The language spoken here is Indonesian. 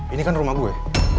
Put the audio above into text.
ini kan rumah gue